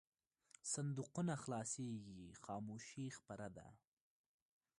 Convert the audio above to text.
صندوقونه خلاصېږي خاموشي خپره ده.